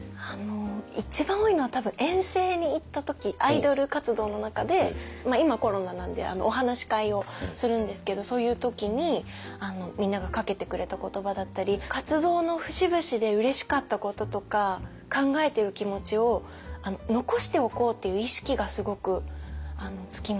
一番多いのは多分遠征に行った時アイドル活動の中で今コロナなんでお話し会をするんですけどそういう時にみんながかけてくれた言葉だったり活動の節々でうれしかったこととか考えてる気持ちを残しておこうっていう意識がすごくつきました。